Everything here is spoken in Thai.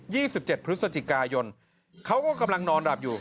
สิบเจ็ดพฤศจิกายนเขาก็กำลังนอนหลับอยู่